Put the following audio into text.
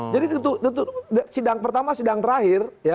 jadi itu sidang pertama sidang terakhir